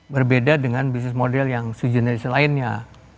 berbeda dengan bisnis model yang sejenis lainnya